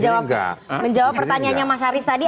menjawab pertanyaannya mas haris tadi